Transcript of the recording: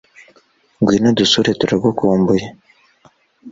ngwino udusure turagukumbuye